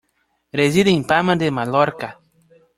Reside en Palma de Mallorca.